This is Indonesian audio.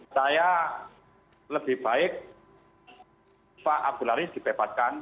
saya lebih baik pak abdul haris dibebaskan